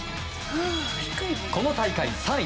この大会、３位。